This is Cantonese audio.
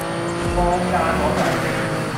放假嗰陣